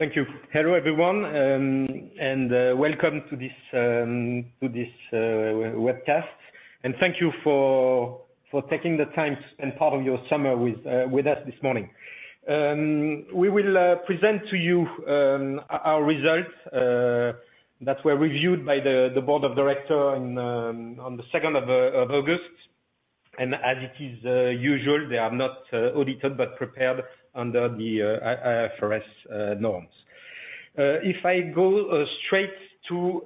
Thank you. Hello, everyone, and welcome to this to this web test. Thank you for taking the time to spend part of your summer with us this morning. We will present to you our results that were reviewed by the board of director on the 2nd of August. As it is usual, they are not audited, but prepared under the IFRS norms. If I go straight to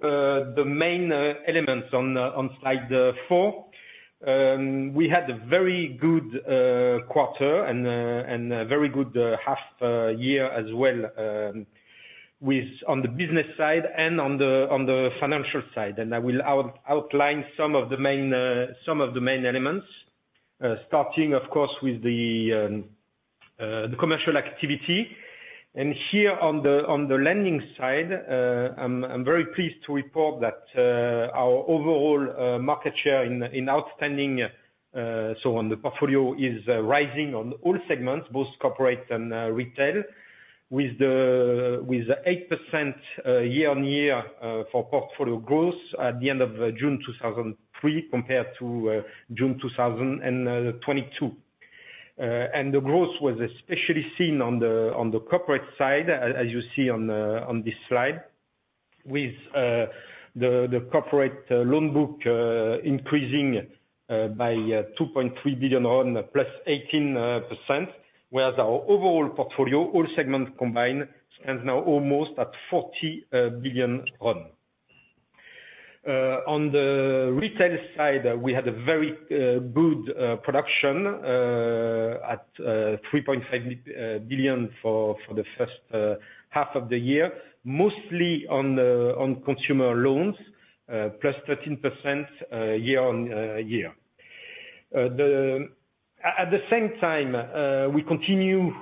the main elements on slide four, we had a very good quarter and a very good half year as well, with, on the business side and on the financial side. I will out- outline some of the main, some of the main elements, starting, of course, with the commercial activity. Here on the, on the lending side, I'm, I'm very pleased to report that our overall market share in, in outstanding, so on the portfolio, is rising on all segments, both corporate and retail. With the, with 8% year-on-year for portfolio growth at the end of June 2023, compared to June 2022. The growth was especially seen on the corporate side, as you see on this slide, with the corporate loan book increasing by RON 2.3 billion, +18%, whereas our overall portfolio, all segments combined, stands now almost at RON 40 billion. On the retail side, we had a very good production at RON 3.5 billion for the first half of the year, mostly on consumer loans, +13% year-on-year. At the same time, we continue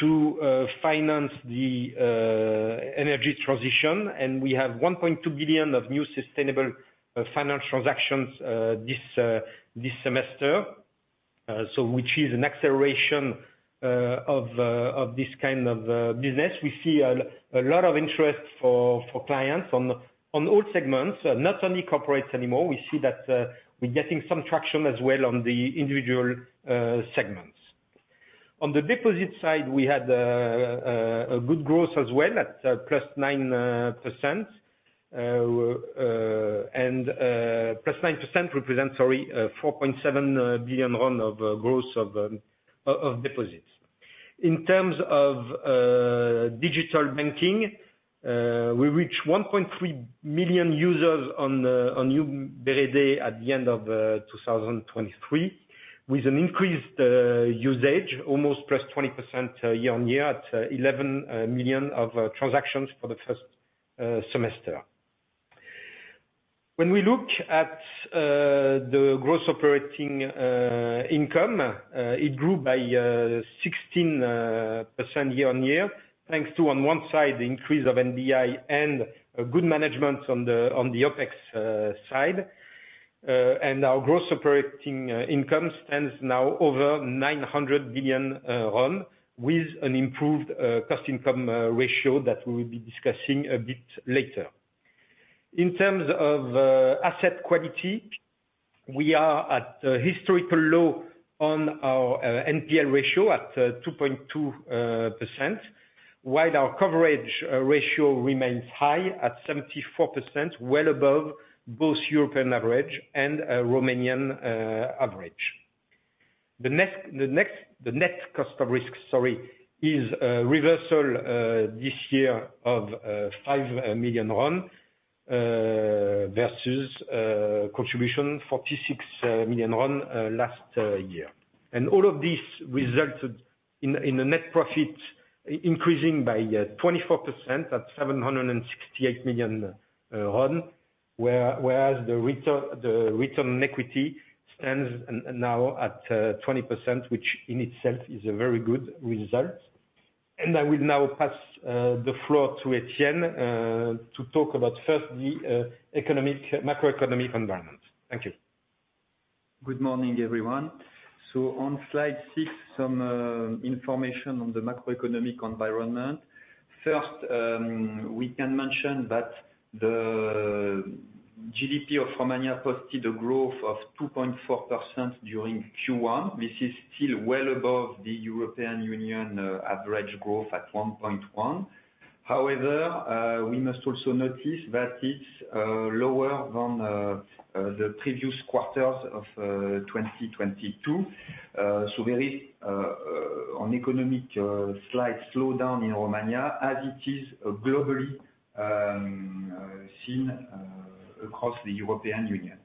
to finance the energy transition, and we have RON 1.2 billion of new sustainable finance transactions this semester. Which is an acceleration of this kind of business. We see a lot of interest for clients on all segments, not only corporates anymore. We see that we're getting some traction as well on the individual segments. On the deposit side, we had a good growth as well, at +9%, and +9% represent, sorry, RON 4.7 billion of growth of deposits. In terms of digital banking, we reach 1.3 million users on YOU BRD at the end of 2023, with an increased usage, almost +20% year-on-year, at 11 million transactions for the 1st semester. When we look at the gross operating income, it grew by 16% year-on-year, thanks to, on one side, the increase of NBI and a good management on the OpEx side. Our gross operating income stands now over RON 900 billion, with an improved cost-income ratio that we will be discussing a bit later. In terms of asset quality, we are at a historical low on our NPL ratio at 2.2%, while our coverage ratio remains high at 74%, well above both European average and Romanian average. The next cost of risk, sorry, is a reversal this year of RON 5 million, versus contribution RON 46 million last year. All of this resulted in the net profit increasing by 24%, at RON 768 million, whereas the return, the return on equity stands now at 20%, which in itself is a very good result. I will now pass the floor to Etienne to talk about firstly economic, macroeconomic environment. Thank you. Good morning, everyone. On slide six, some information on the macroeconomic environment. First, we can mention that the GDP of Romania posted a growth of 2.4% during Q1. This is still well above the European Union average growth at 1.1. We must also notice that it's lower than the previous quarters of 2022. There is an economic slight slowdown in Romania as it is globally seen across the European Union.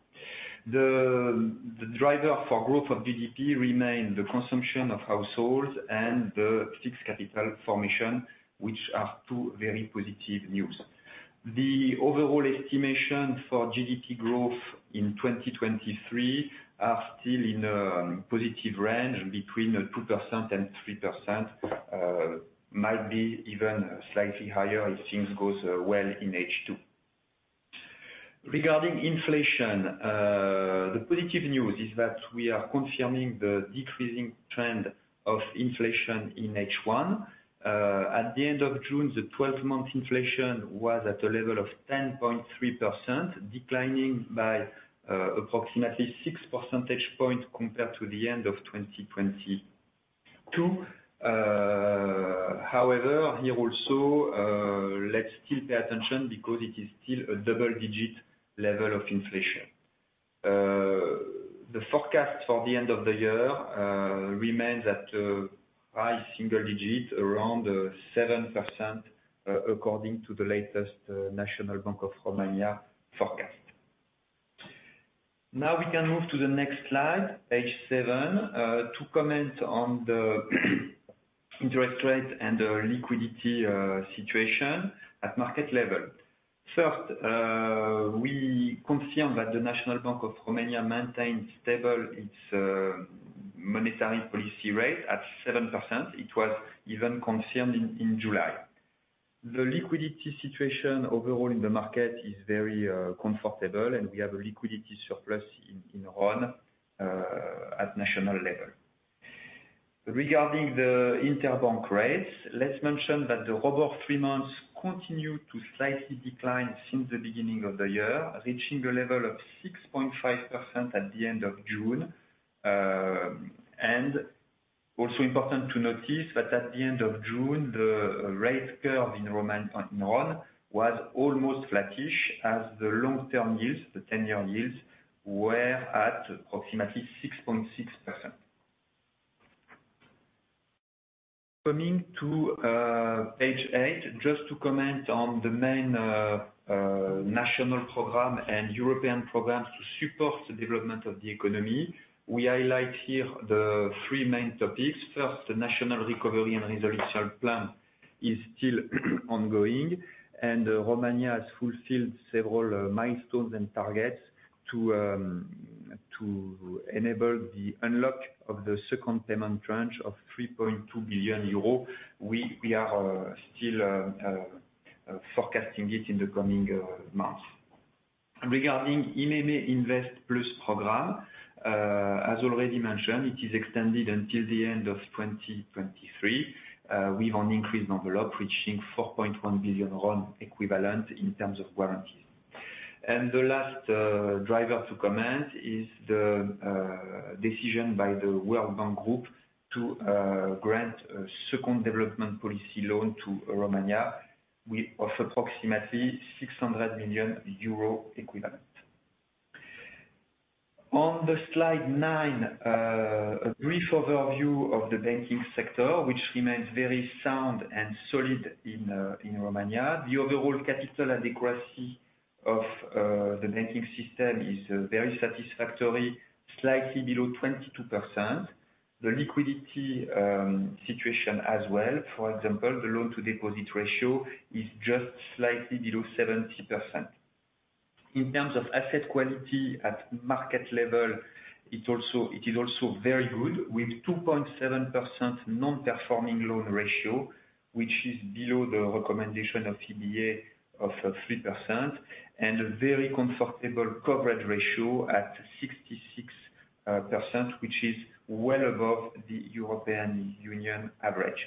The driver for growth of GDP remain the consumption of households and the fixed capital formation, which are two very positive news. The overall estimation for GDP growth in 2023 are still in a positive range between 2%-3%, might be even slightly higher if things goes well in H2. Regarding inflation, the positive news is that we are confirming the decreasing trend of inflation in H1. At the end of June, the 12-month inflation was at a level of 10.3%, declining by approximately 6 percentage point, compared to the end of 2022. However, here also, let's still pay attention because it is still a double-digit level of inflation. The forecast for the end of the year remains at high single-digit, around 7%, according to the latest National Bank of Romania forecast. Now, we can move to the next slide, page seven, to comment on the interest rate and the liquidity situation at market level. First, we confirm that the National Bank of Romania maintains stable, its monetary policy rate at 7%. It was even confirmed in July. The liquidity situation overall in the market is very comfortable, and we have a liquidity surplus in RON at national level. Regarding the interbank rates, let's mention that the ROBOR three months continue to slightly decline since the beginning of the year, reaching a level of 6.5% at the end of June. Also important to notice that at the end of June, the rate curve in RON was almost flattish, as the long-term yields, the 10-year yields, were at approximately 6.6%. Coming to page eight, just to comment on the main national program and European programs to support the development of the economy. We highlight here the three main topics. First, the National Recovery and Resilience Plan is still ongoing, and Romania has fulfilled several milestones and targets to enable the unlock of the 2nd payment tranche of 3.2 billion euro. We, we are still forecasting it in the coming months. Regarding IMM Invest Plus program, as already mentioned, it is extended until the end of 2023, with an increased envelope, reaching RON 4.1 billion equivalent in terms of warranties. The last driver to comment is the decision by the World Bank Group to grant a second development policy loan to Romania of approximately EUR 600 million equivalent. On slide nine, a brief overview of the banking sector, which remains very sound and solid in Romania. The overall capital adequacy of the banking system is very satisfactory, slightly below 22%. The liquidity situation as well, for example, the loan-to-deposit ratio is just slightly below 70%. In terms of asset quality at market level, it is also very good, with 2.7% non-performing loan ratio, which is below the recommendation of CBA, of 3%, and a very comfortable coverage ratio at 66%, which is well above the European Union average.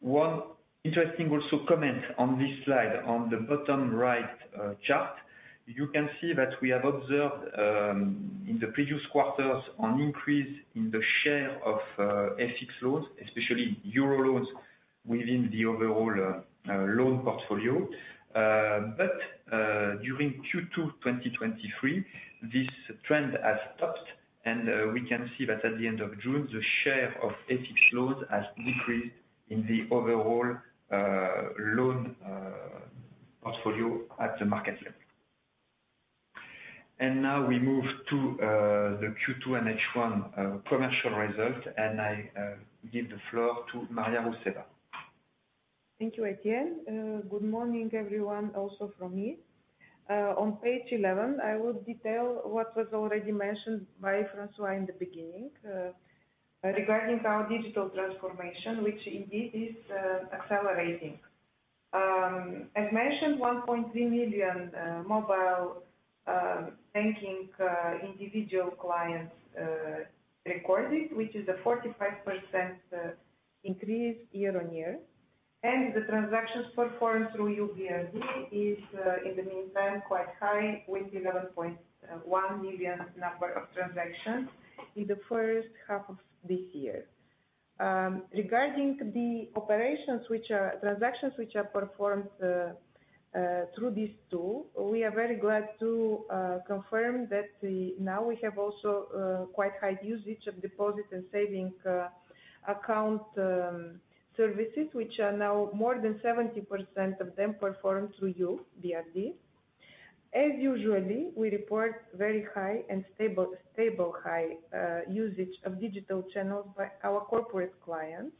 One interesting also comment on this slide, on the bottom right, chart, you can see that we have observed, in the previous quarters, an increase in the share of FX loans, especially Euro loans, within the overall loan portfolio. During Q2 2023, this trend has stopped, and we can see that at the end of June, the share of FX loans has decreased in the overall loan portfolio at the market level. Now we move to the Q2 and H1 commercial result, and I give the floor to Maria Rousseva. Thank you, Etienne. Good morning, everyone, also from me. On page 11, I will detail what was already mentioned by François in the beginning, regarding our digital transformation, which indeed is accelerating. As mentioned, 1.3 million mobile banking individual clients recorded, which is a 45% increase year-on-year, and the transactions performed through YOU BRD is in the meantime quite high, with 11.1 million number of transactions in the first half of this year. Regarding the transactions which are performed through this tool, we are very glad to confirm that now we have also quite high usage of deposit and saving account services, which are now more than 70% of them perform through YOU BRD. As usually, we report very high and stable, stable high usage of digital channels by our corporate clients,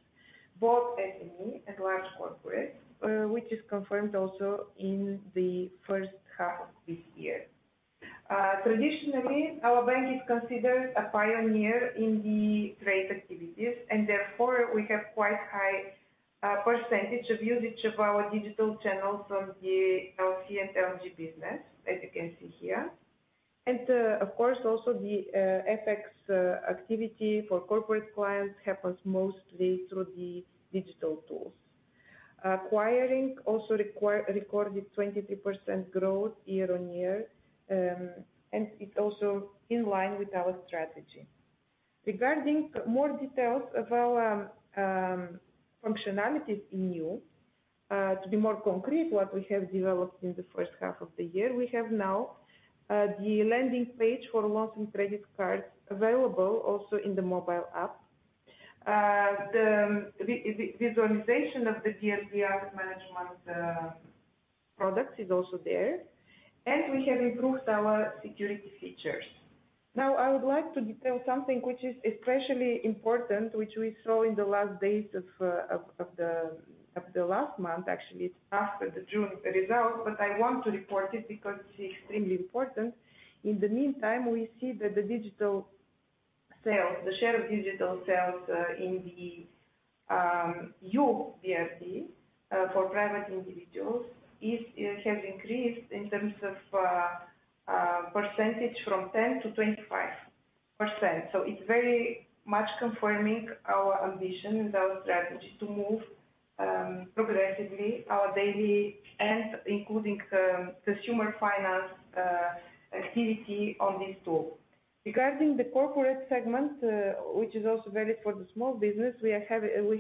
both SME and large corporate, which is confirmed also in the first half of this year. Traditionally, our bank is considered a pioneer in the trade activities, therefore we have quite high % of usage of our digital channels on the LC and LG business, as you can see here. Of course, also the FX activity for corporate clients happens mostly through the digital tools. Acquiring also recorded 23% growth year-on-year, and it's also in line with our strategy. Regarding more details of our functionalities in you, to be more concrete, what we have developed in the first half of the year. We have now the lending page for loans and credit cards available also in the mobile app. The visualization of the BRD Asset Management products is also there, and we have improved our security features. Now, I would like to detail something which is especially important, which we saw in the last days of the last month. Actually, it's after the June result, but I want to report it because it's extremely important. In the meantime, we see that the digital sales, the share of digital sales in the VIP for private individuals, has increased in terms of percentage from 10%-25%. It's very much confirming our ambition and our strategy to move progressively our daily and including consumer finance activity on this tool. Regarding the corporate segment, which is also valid for the small business we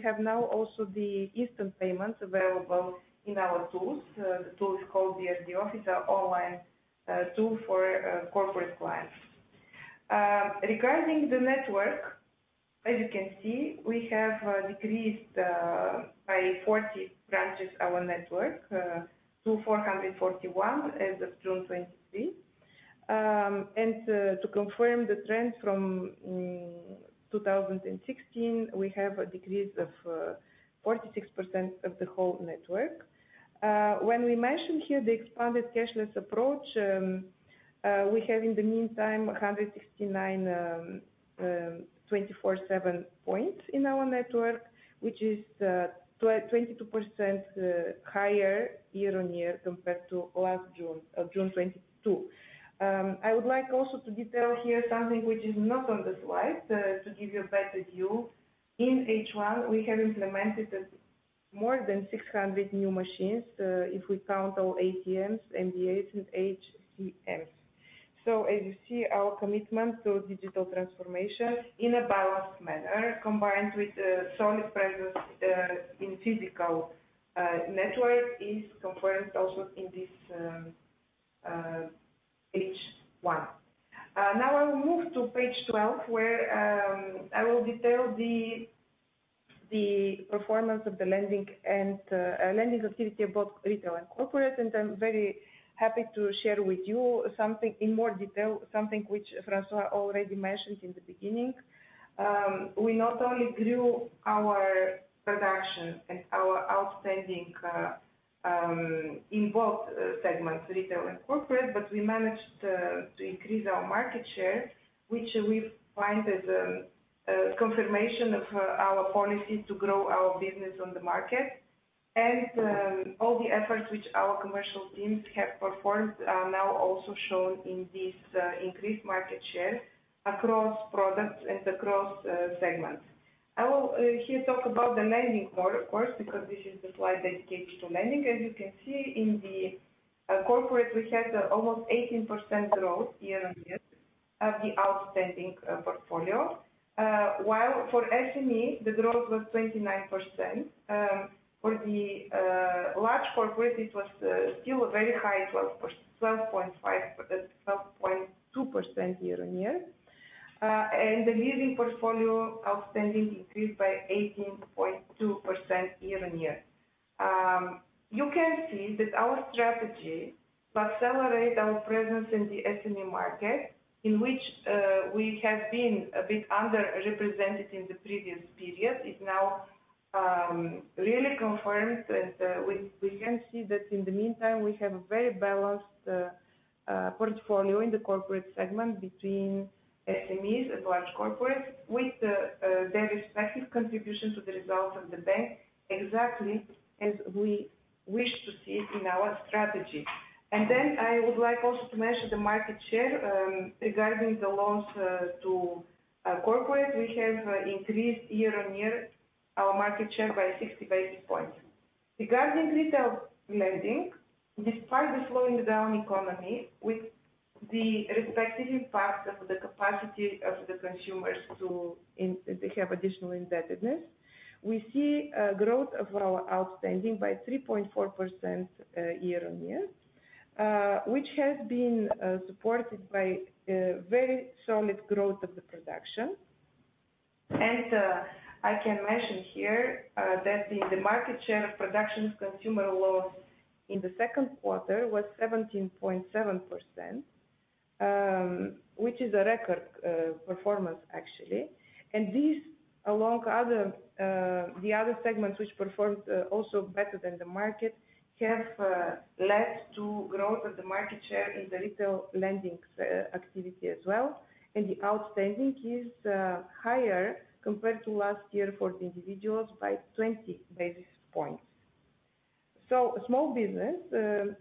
have now also the instant payments available in our tools. The tool is called the BRD Office, our online tool for corporate clients. Regarding the network, as you can see, we have decreased by 40 branches our network to 441 as of June 2023. To confirm the trend from 2016, we have a decrease of 46% of the whole network. When we mention here the expanded cashless approach, we have in the meantime, 169 24/7 points in our network, which is 22% higher year-on-year compared to last June, of June 2022. I would like also to detail here something which is not on the slide, to give you a better view. In H1, we have implemented more than 600 new machines, if we count all ATMs, MDAs, and HCMs. As you see, our commitment to digital transformation in a balanced manner, combined with a solid presence in physical network, is confirmed also in this H1. Now I will move to page 12, where I will detail the performance of the lending and lending activity of both retail and corporate. I'm very happy to share with you something in more detail, something which François already mentioned in the beginning. our production and our outstanding in both segments, retail and corporate, but we managed to increase our market share, which we find as a confirmation of our policy to grow our business on the market. All the efforts which our commercial teams have performed are now also shown in this increased market share across products and across segments. I will here talk about the lending part, of course, because this is the slide dedicated to lending. As you can see in the corporate, we had almost 18% growth year-on-year of the outstanding portfolio. While for SME, the growth was 29%. For the large corporate, it was still a very high 12.5%-12.2% year-on-year. The lending portfolio outstanding increased by 18.2% year-on-year. You can see that our strategy to accelerate our presence in the SME market, in which we have been a bit underrepresented in the previous period, is now really confirmed. We, we can see that in the meantime we have a very balanced portfolio in the corporate segment between SMEs and large corporates with their respective contribution to the results of the bank, exactly as we wish to see it in our strategy. I would like also to mention the market share. Regarding the loans to corporate, we have increased year-on-year our market share by 60 basis points. Regarding retail lending, despite the slowing down economy, with the respective impact of the capacity of the consumers to they have additional indebtedness, we see a growth of our outstanding by 3.4% year-on-year, which has been supported by a very solid growth of the production. I can mention here that the market share of production consumer loans in the second quarter was 17.7%, which is a record performance, actually. These, along other, the other segments which performed also better than the market, have led to growth of the market share in the retail lending activity as well. The outstanding is higher compared to last year for the individuals, by 20 basis points. Small business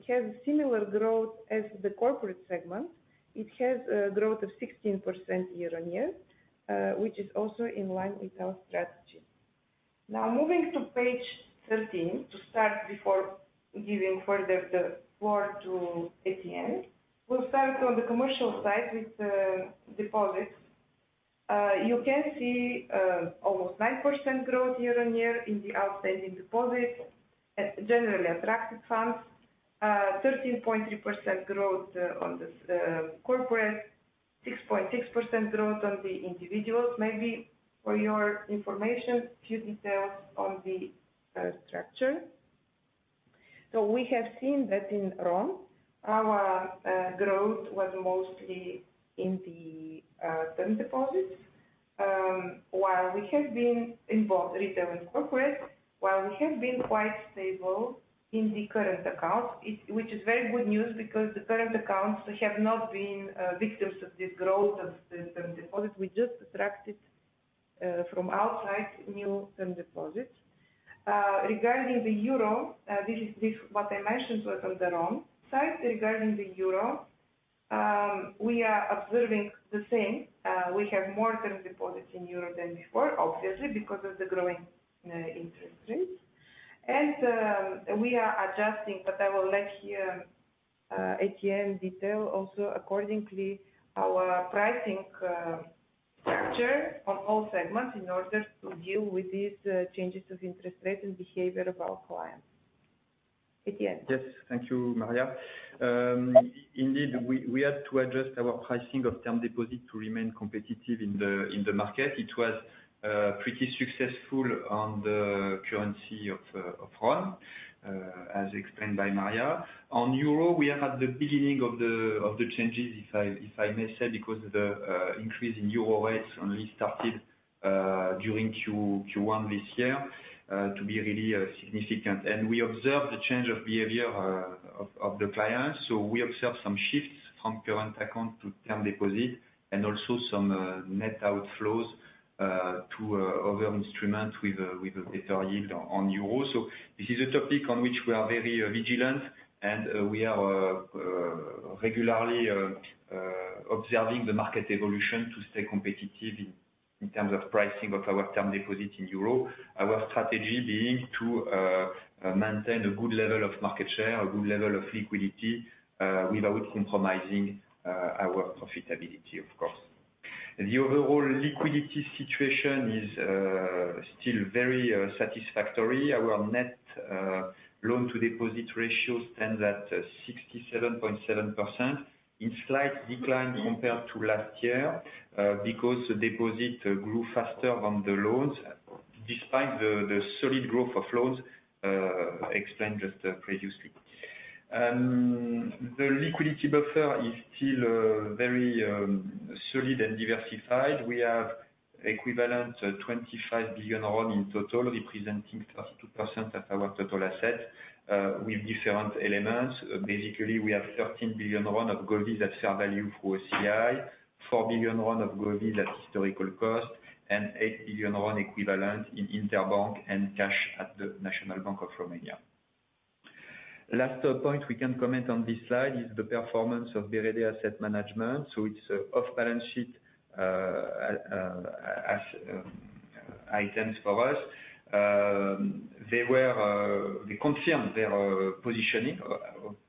have similar growth as the corporate segment. It has growth of 16% year-on-year, which is also in line with our strategy. Moving to page 13, to start before giving further the floor to Etienne. We'll start on the commercial side with deposits. You can see almost 9% growth year-on-year in the outstanding deposits, and generally attracted funds, 13.3% growth on the corporate, 6.6% growth on the individuals. Maybe for your information, few details on the structure. We have seen that in RON, our growth was mostly in the term deposits, while we have been in both retail and corporate. While we have been quite stable in the current account, which is very good news, because the current accounts have not been victims of this growth of the term deposits. We just attracted, from outside, new term deposits. Regarding the EUR, what I mentioned was on the RON side. Regarding the EUR, we are observing the same. We have more term deposits in EUR than before, obviously, because of the growing interest rates. We are adjusting, but I will let here Etienne detail also accordingly, our pricing structure on all segments, in order to deal with these changes of interest rate and behavior of our clients. Etienne? Yes. Thank you, Maria. Indeed, we had to adjust our pricing of term deposit to remain competitive in the market. It was pretty successful on the currency of RON, as explained by Maria. On euro, we are at the beginning of the changes, if I may say, because the increase in euro rates only started during Q1 this year to be really significant. We observed the change of behavior of the clients. We observed some shifts from current account to term deposit, and also some net outflows to other instruments with a better yield on euro. This is a topic on which we are very vigilant, and we are regularly observing the market evolution to stay competitive in terms of pricing of our term deposit in euro. Our strategy being to maintain a good level of market share, a good level of liquidity, without compromising our profitability, of course. The overall liquidity situation is still very satisfactory. Our net loan to deposit ratio stands at 67.7%, in slight decline compared to last year, because the deposit grew faster than the loans, despite the solid growth of loans explained just previously. The liquidity buffer is still very solid and diversified. We have equivalent RON 25 billion in total, representing +2% of our total asset with different elements. Basically, we have RON 13 billion of govies at fair value through OCI, RON 4 billion of govies at historical cost, and RON 8 billion equivalent in interbank and cash at the National Bank of Romania. Last point we can comment on this slide, is the performance of BRD Asset Management, so it's off balance sheet as items for us. They were, they confirmed their positioning,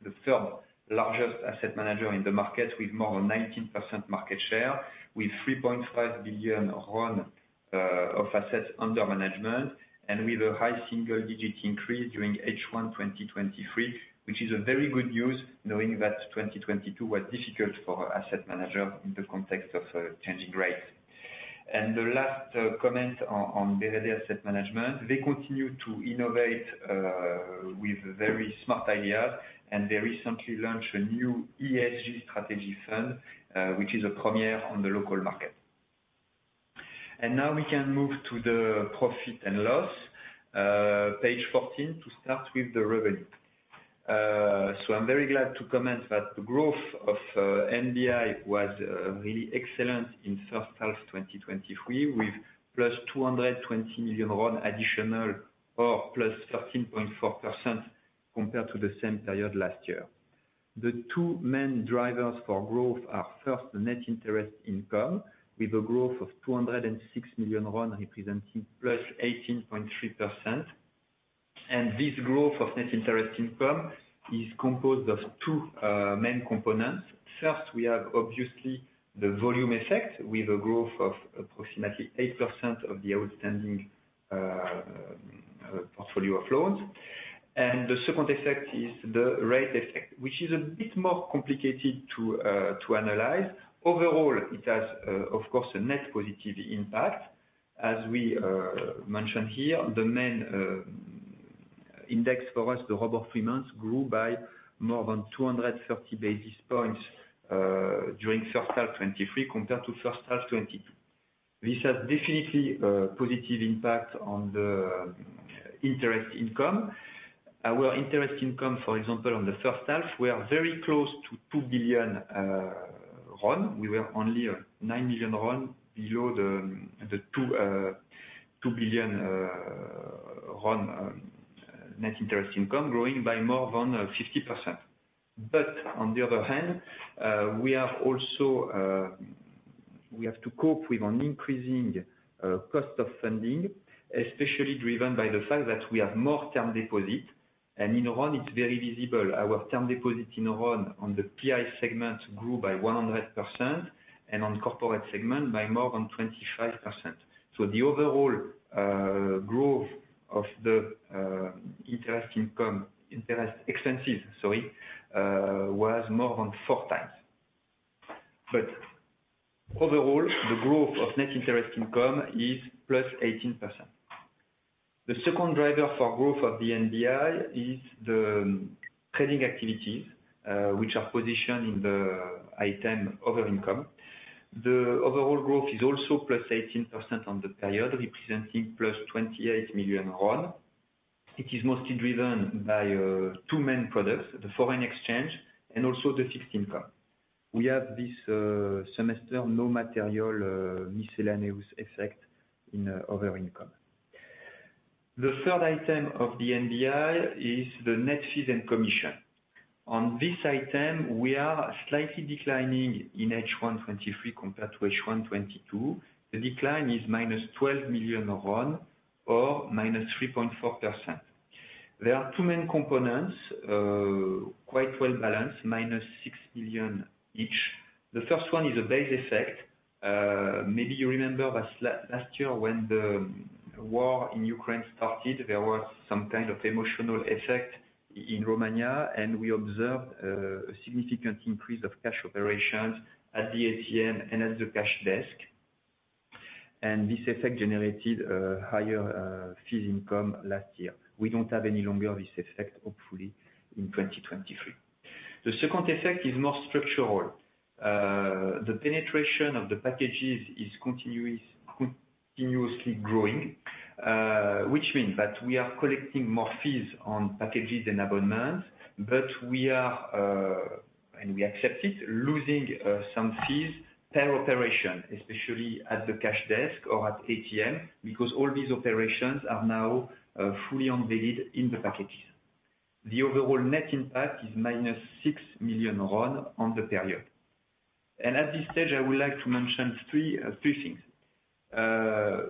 the third largest asset manager in the market, with more than 19% market share, with RON 3.5 billion of assets under management, and with a high single digit increase during H1 2023, which is a very good news, knowing that 2022 was difficult for asset manager in the context of changing rates. The last comment on BRD Asset Management, they continue to innovate with very smart ideas, and they recently launched a new ESG strategy fund, which is a premiere on the local market. Now we can move to the profit and loss, page 14, to start with the revenue. I'm very glad to comment that the growth of NBI was really excellent in first half 2023, with RON +220 million additional, or +13.4%, compared to the same period last year. The two main drivers for growth are, first, the net interest income, with a growth of RON 206 million, representing +18.3%. This growth of net interest income is composed of two main components. First, we have, obviously, the volume effect, with a growth of approximately 8% of the outstanding portfolio of loans. The second effect is the rate effect, which is a bit more complicated to analyze. Overall, it has, of course, a net positive impact, as we mentioned here, the main index for us, the ROBOR three months, grew by more than 230 basis points during first half 2023, compared to first half 2022. This has definitely a positive impact on the interest income. Our interest income, for example, on the first half, we are very close to RON 2 billion. We were only RON 9 million below the RON 2 billion net interest income, growing by more than 50%. On the other hand, we are also, we have to cope with an increasing cost of funding, especially driven by the fact that we have more term deposits, and in RON, it's very visible. Our term deposit in RON, on the PI segment, grew by 100%, and on corporate segment by more than 25%. The overall growth of the interest income, interest expenses, sorry, was more than four times. Overall, the growth of net interest income is +18%. The second driver for growth of the NBI is the trading activities, which are positioned in the item other income. The overall growth is also +18% on the period, representing RON +28 million. It is mostly driven by two main products, the foreign exchange, and also the fixed income. We have this semester, no material, miscellaneous effect in other income. The third item of the NBI is the net fees and commission. On this item, we are slightly declining in H1 '23, compared to H1 '22. The decline is minus RON 12 million or minus 3.4%. There are two main components, quite well balanced, minus RON 6 million each. The first one is a base effect. Maybe you remember last last year, when the war in Ukraine started, there was some kind of emotional effect in Romania, and we observed a significant increase of cash operations at the ATM and at the cash desk, and this effect generated a higher fee income last year. We don't have any longer this effect, hopefully, in 2023. The second effect is more structural. The penetration of the packages is continuous, continuously growing, which means that we are collecting more fees on packages and amendments, but we are, and we accept it, losing some fees per operation, especially at the cash desk or at ATM, because all these operations are now fully embedded in the package. The overall net impact is minus RON 6 million on the period. At this stage, I would like to mention three things.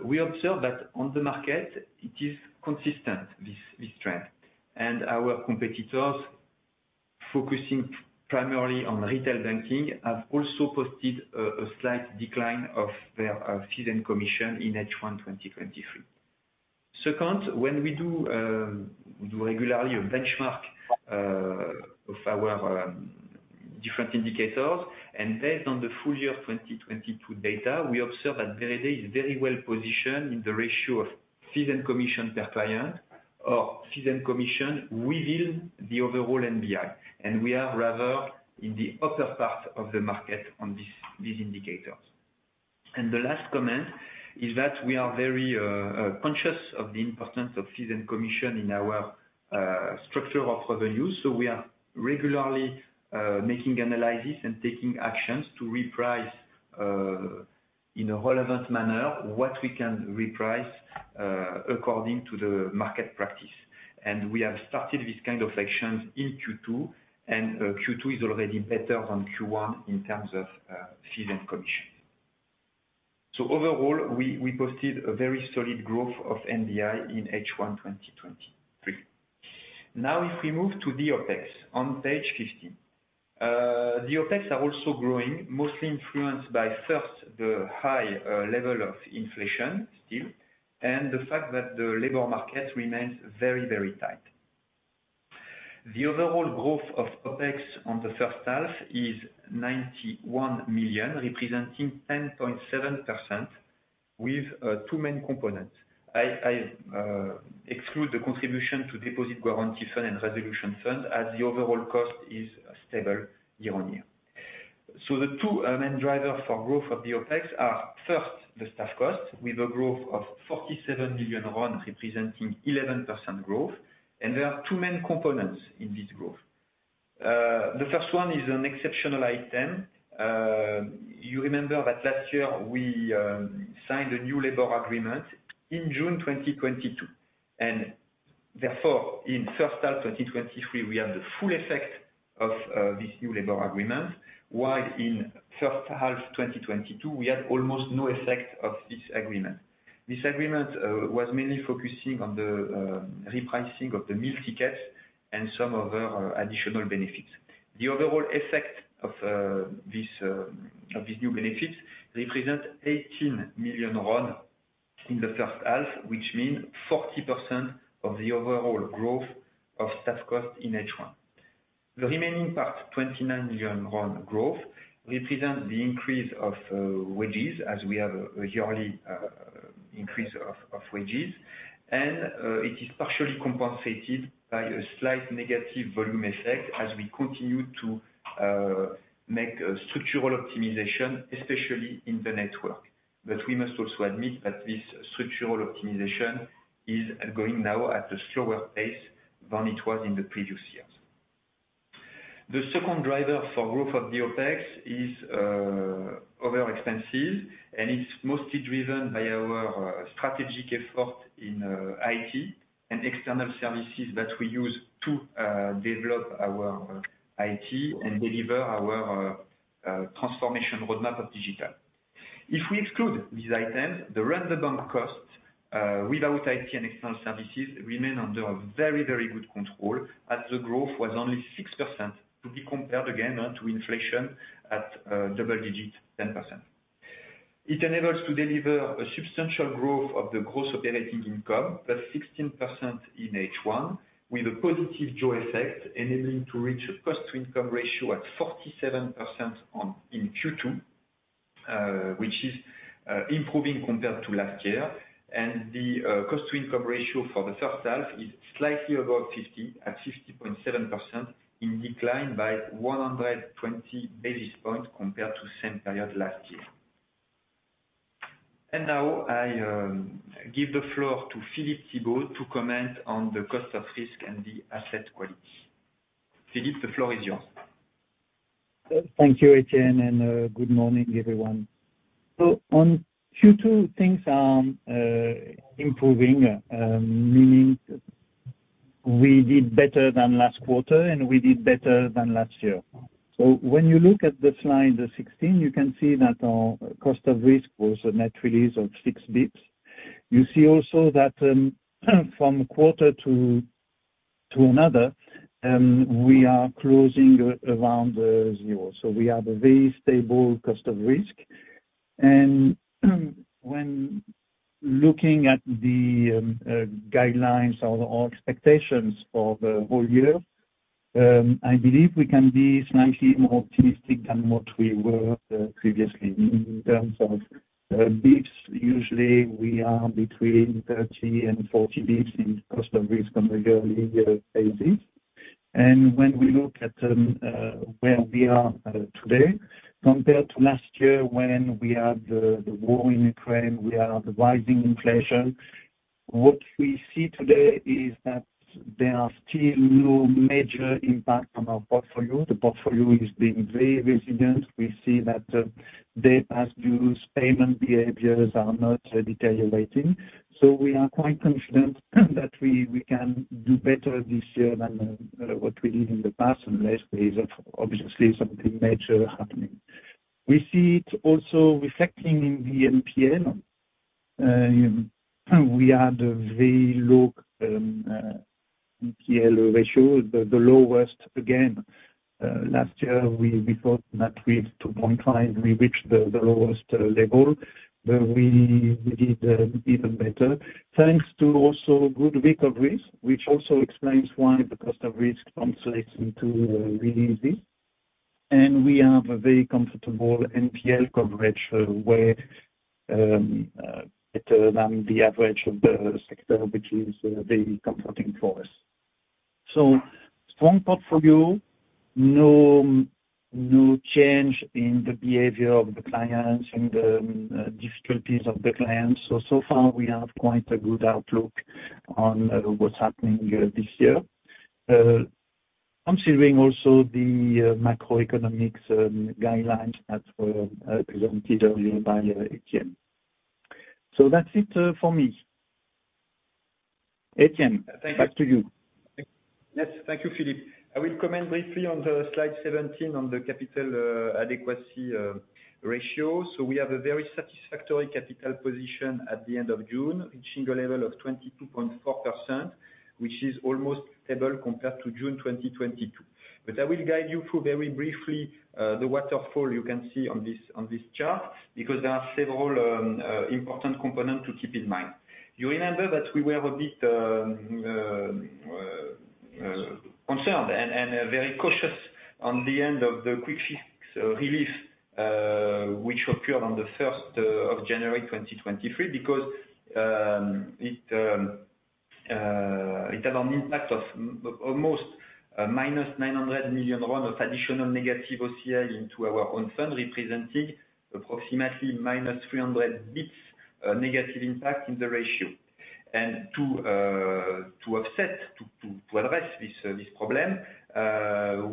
We observed that on the market, it is consistent, this trend, and our competitors focusing primarily on retail banking, have also posted a slight decline of their fees and commission in H1 2023. Second, when we do, we do regularly a benchmark of our different indicators, and based on the full year 2022 data, we observe that BRD is very well positioned in the ratio of fees and commission per client, or fees and commission within the overall NBI, and we are rather in the upper part of the market on these, these indicators. The last comment is that we are very conscious of the importance of fees and commission in our structure of revenues, so we are regularly making analysis and taking actions to reprice in a relevant manner, what we can reprice according to the market practice. We have started these kind of actions in Q2, and Q2 is already better than Q1 in terms of fees and commission. Overall, we posted a very solid growth of NBI in H1 2023. If we move to the OpEx on page 15. The OpEx are also growing, mostly influenced by, first, the high level of inflation still, and the fact that the labor market remains very, very tight. The overall growth of OpEx on the first half is RON 91 million, representing 10.7% with two main components. I exclude the contribution to Deposit Guarantee Fund and Resolution Fund, as the overall cost is stable year-over-year. The two main drivers for growth of the OpEx are, first, the staff cost, with a growth of RON 47 million, representing 11% growth, and there are two main components in this growth. The first one is an exceptional item. You remember that last year we signed a new labor agreement in June 2022, therefore, in first half 2023, we have the full effect of this new labor agreement, while in first half 2022, we had almost no effect of this agreement. This agreement was mainly focusing on the repricing of the meal tickets and some other additional benefits. The overall effect of this of these new benefits represent RON 18 million in the first half, which mean 40% of the overall growth of staff cost in H1. The remaining part, RON 29 million growth, represent the increase of wages, as we have a yearly increase of wages. It is partially compensated by a slight negative volume effect as we continue to make a structural optimization, especially in the network. We must also admit that this structural optimization is going now at a slower pace than it was in the previous years. The second driver for growth of the OpEx is other expenses, and it's mostly driven by our strategic effort in IT, and external services that we use to develop our IT, and deliver our transformation roadmap of digital. If we exclude these items, the run-the-bank cost, without IT and external services, remain under a very, very good control, as the growth was only 6%, to be compared again to inflation at double digits, 10%. It enables to deliver a substantial growth of the cost of operating income, plus 16% in H1, with a positive jaws effect, enabling to reach a cost-income ratio at 47% in Q2, which is improving compared to last year. The cost-income ratio for the first half is slightly above 50, at 50.7%, in decline by 120 basis points compared to same period last year. Now I give the floor to Philippe Thibaud to comment on the cost of risk and the asset quality. Philippe, the floor is yours. Thank you, Etienne, and good morning, everyone. On Q2, things are improving, meaning we did better than last quarter, and we did better than last year. When you look at the slide, the 16, you can see that our cost of risk was a net release of 6 basis points. You see also that, from quarter to another, we are closing around zero, so we have a very stable cost of risk. When looking at the guidelines or our expectations for the whole year, I believe we can be slightly more optimistic than what we were previously. In terms of basis points, usually we are between 30 and 40 basis points in cost of risk on a yearly basis. When we look at where we are today, compared to last year when we had the war in Ukraine, we had the rising inflation, what we see today is that there are still no major impact on our portfolio. The portfolio is being very resilient. We see that days past due, payment behaviors are not deteriorating. We are quite confident that we, we can do better this year than what we did in the past, unless there is obviously something major happening. We see it also reflecting in the NPL. We had a very low NPL ratio, the lowest again. Last year, we, we thought that with 2.5, we reached the, the lowest level, but we, we did even better, thanks to also good recoveries, which also explains why the cost of risk translates into releasing. We have a very comfortable NPL coverage, where better than the average of the sector, which is very comforting for us. Strong portfolio, no, no change in the behavior of the clients, in the difficulties of the clients. So far, we have quite a good outlook on what's happening this year. Considering also the macroeconomics guidelines as presented by Etienne. That's it for me. Etienne, back to you. Yes, thank you, Philippe. I will comment briefly on the slide 17 on the capital, adequacy ratio. We have a very satisfactory capital position at the end of June, reaching a level of 22.4%, which is almost stable compared to June 2022. I will guide you through, very briefly, the waterfall you can see on this, on this chart, because there are several, important component to keep in mind. You remember that we were a bit concerned and very cautious on the end of the Quick Fix relief which occurred on the 1st of January 2023, because it had an impact of almost minus RON 900 million of additional negative OCI into our own fund, representing approximately minus 300 basis points negative impact in the ratio. To offset, to address this problem,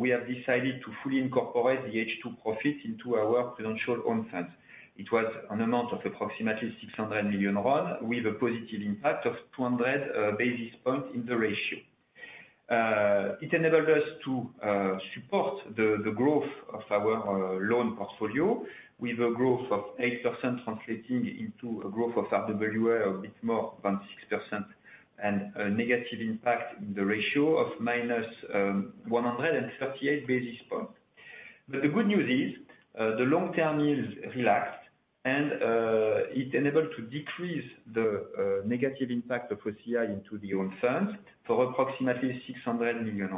we have decided to fully incorporate the H2 profit into our prudential own funds. It was an amount of approximately RON 600 million, with a positive impact of 200 basis points in the ratio. It enabled us to support the growth of our loan portfolio, with a growth of 8% translating into a growth of RWA a bit more than 6%, and a negative impact in the ratio of minus 138 basis points. The good news is, the long-term is relaxed, and it enabled to decrease the negative impact of OCI into the own funds for approximately RON 600 million,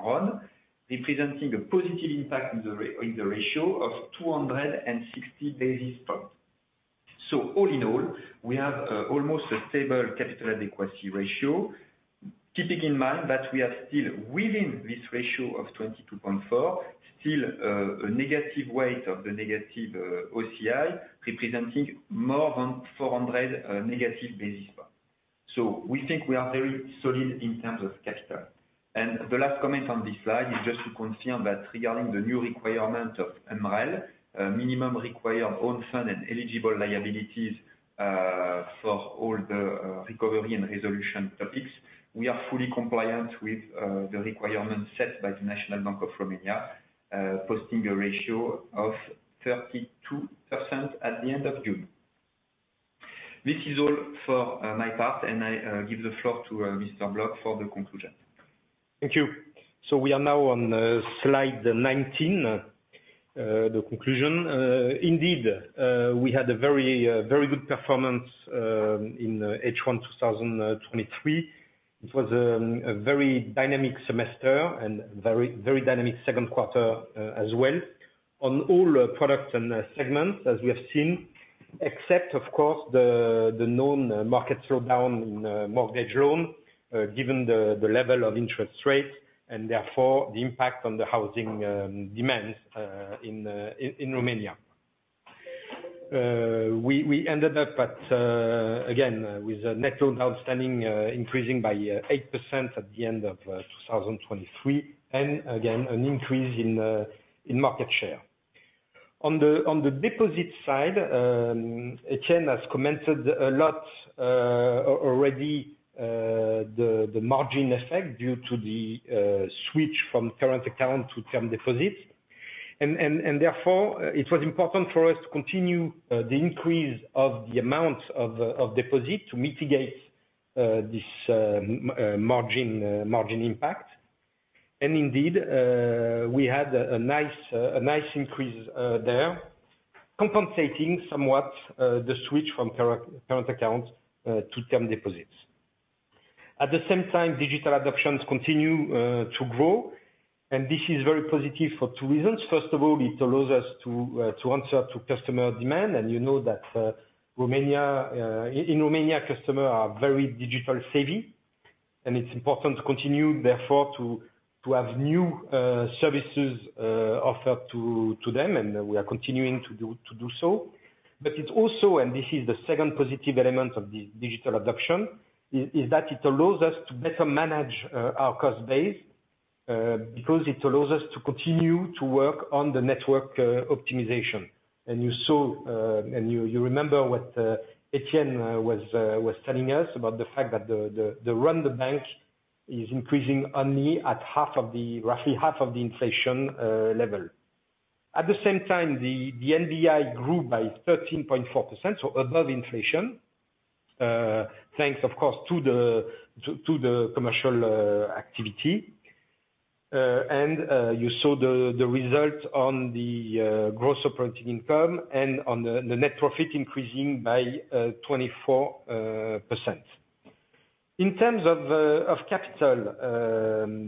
representing a positive impact in the ratio of 260 basis points. All in all, we have almost a stable capital adequacy ratio, keeping in mind that we are still within this ratio of 22.4, still a negative weight of the negative OCI, representing more than 400 negative basis points. We think we are very solid in terms of capital. The last comment on this slide is just to confirm that regarding the new requirement of MREL, Minimum Required Own Fund and Eligible Liabilities, for all the recovery and resolution topics, we are fully compliant with the requirements set by the National Bank of Romania, posting a ratio of 32% at the end of June. This is all for my part, and I give the floor to Mr. Bloch for the conclusion. Thank you. We are now on slide 19, the conclusion. Indeed, we had a very, very good performance in H1 2023. It was a very dynamic semester and very, very dynamic second quarter as well on all the products and segments, as we have seen, except, of course, the known market slowdown in mortgage loan given the level of interest rates and therefore the impact on the housing demand in Romania. We ended up at again, with the net loan outstanding increasing by 8% at the end of 2023, and again, an increase in market share. On the, on the deposit side, Etienne has commented a lot, already, the, the margin effect due to the switch from current account to term deposits. Therefore, it was important for us to continue the increase of the amount of deposits to mitigate this margin margin impact. Indeed, we had a nice a nice increase there, compensating somewhat the switch from current, current account to term deposits. At the same time, digital adoptions continue to grow, and this is very positive for two reasons. First of all, it allows us to, to answer to customer demand, and you know that, Romania, in Romania, customer are very digital savvy, and it's important to continue, therefore, to, to have new services offered to, to them, and we are continuing to do, to do so. It's also, and this is the second positive element of the digital adoption, is that it allows us to better manage our cost base, because it allows us to continue to work on the network optimization. You saw, and you, you remember what Etienne was telling us about the fact that the run the bank is increasing only at half of the, roughly half of the inflation, level. At the same time, the NBI grew by 13.4%, so above inflation, thanks, of course, to the commercial activity. You saw the results on the gross operating income and on the net profit increasing by 24%. In terms of capital,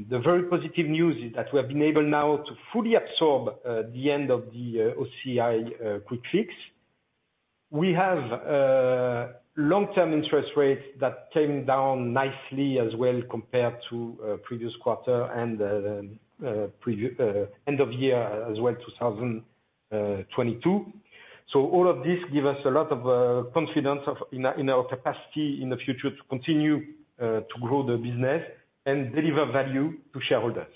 the very positive news is that we have been able now to fully absorb the end of the OCI quick fix. We have long-term interest rates that came down nicely as well, compared to previous quarter and end of year as well, 2022. All of this give us a lot of confidence of in our capacity in the future to continue to grow the business and deliver value to shareholders.